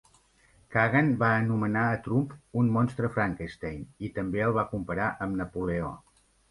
Kagan va anomenar a Trump un "monstre Frankenstein" i també el va comparar amb Napoleó.